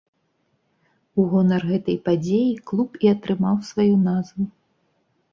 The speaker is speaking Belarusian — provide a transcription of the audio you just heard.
У гонар гэтай падзеі клуб і атрымаў сваю назву.